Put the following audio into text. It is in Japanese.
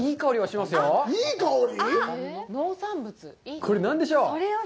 これ何でしょう？